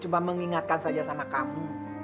cuma mengingatkan saja sama kamu